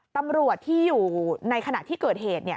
ตำรวจที่อยู่ในขณะที่เกิดเหตุ